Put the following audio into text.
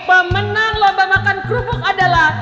pemenang lomba makan kerupuk adalah